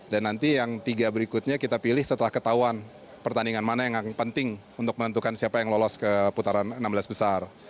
dan nanti yang tiga berikutnya kita pilih setelah ketahuan pertandingan mana yang penting untuk menentukan siapa yang lolos ke putaran enam belas besar